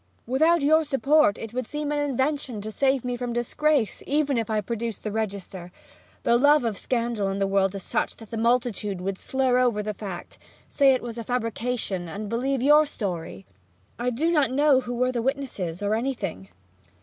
Without your support it would seem an invention to save me from disgrace; even if I produced the register, the love of scandal in the world is such that the multitude would slur over the fact, say it was a fabrication, and believe your story. I do not know who were the witnesses, or anything!'